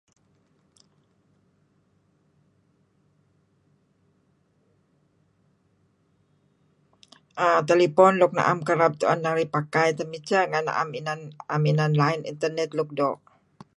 um telepon nuk naam kerab tu'en narih pakai temiseh naam inan line internet nuk do'